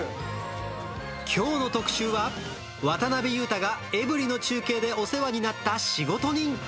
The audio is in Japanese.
きょうの特集は、渡辺裕太がエブリの中継でお世話になった仕事人。